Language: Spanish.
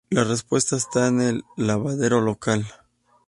La respuesta está en el lavadero local.